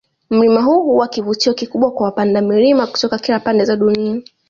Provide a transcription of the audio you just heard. Mlima huu huwa kivutio kikubwa kwa wapanda milima kutoka kila pande za dunia